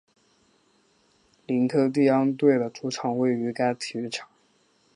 科林蒂安队的主场位于该体育场。